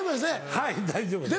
はい大丈夫です。